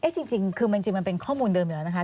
จริงคือมันจริงมันเป็นข้อมูลเดิมเหรอนะคะ